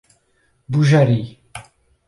Bujari